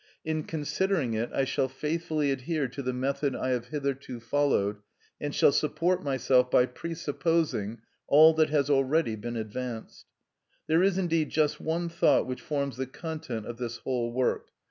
In considering it I shall faithfully adhere to the method I have hitherto followed, and shall support myself by presupposing all that has already been advanced. There is, indeed, just one thought which forms the content of this whole work.